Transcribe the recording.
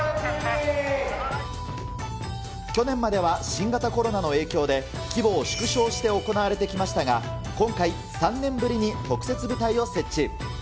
去年までは新型コロナの影響で、規模を縮小して行われてきましたが、今回、３年ぶりに特設舞台を設置。